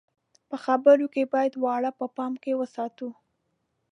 په خبرو کې بايد وار په پام کې وساتو.